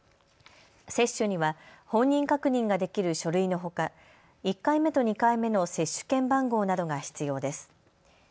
接種には本人確認ができる書類のほか１回目と２回目の接種券番号などが必要です。